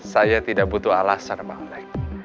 saya tidak butuh alasan pak aleks